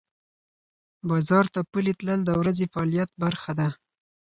بازار ته پلي تلل د ورځې فعالیت برخه ده.